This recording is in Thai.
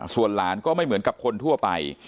ส่วนหลานก็ไม่เหมือนกับคนทั่วไป